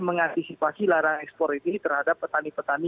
mengantisipasi larangan ekspor ini terhadap petani petani